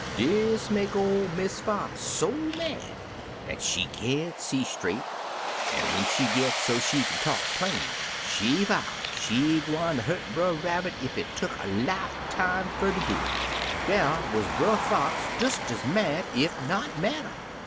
" Dis make ol' Miss Fox so mad dat she can't see straight, an' when she git so she kin talk plain, she vow she gwine ter hurt Brer Rabbit ef it tuck a lifetime fer ter do it. An' dar wuz Brer Fox des ez mad, ef not madder.